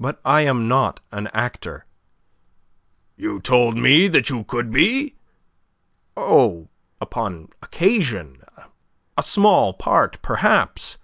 "But I am not an actor." "You told me that you could be." "Oh, upon occasion... a small part, perhaps..."